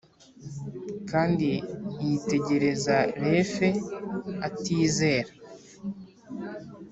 kandi yitegereza refe atizera,